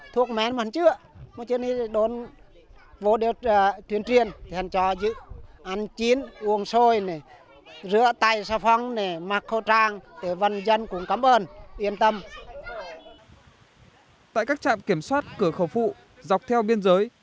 tại các trạm kiểm soát cửa khẩu phụ dọc theo biên giới